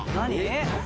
何？